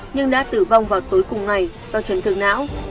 nhưng đã tử vong vào tối cùng ngày do chấn thương não